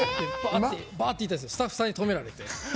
バーッて行ったらスタッフさんに止められて。